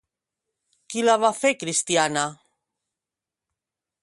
Qui la va fer cristiana?